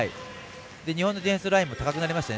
日本のディフェンスライン高くなりましたね。